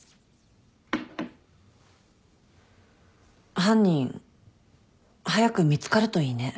犯人早く見つかるといいね。